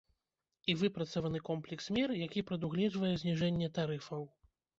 І выпрацаваны комплекс мер, які прадугледжвае зніжэнне тарыфаў.